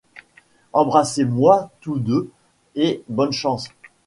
Embrassez-moi toutes deux et bonne chance !